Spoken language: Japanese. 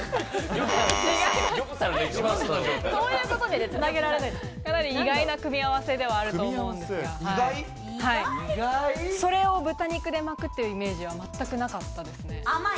かなり意外な組み合わせではあると思うんですがそれを豚肉で巻くっていうイメージは全くなかったですね。